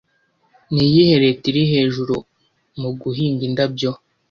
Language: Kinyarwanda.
Niyihe leta iri hejuru muguhinga indabyo